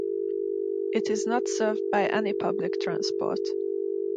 It is not served by any public transport.